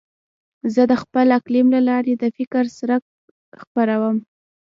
زه د خپل قلم له لارې د فکر څرک خپروم.